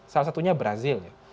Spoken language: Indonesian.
salah satunya brazil ya